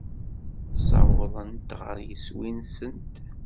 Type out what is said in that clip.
Ssawḍent ɣer yeswi-nsent.